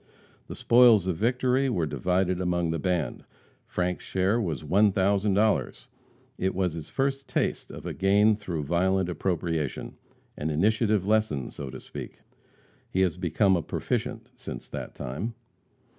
The spoils of victory were divided among the band. Frank's share was $1,000. It was his first taste of gain through violent appropriation an initiative lesson, so to speak. He has become a proficient since that time.